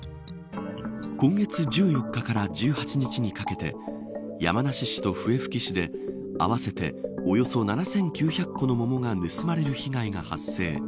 今月１４日から１８日にかけて山梨市と笛吹市で合わせて、およそ７９００個の桃が盗まれる被害が発生。